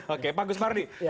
oke pak gus mardi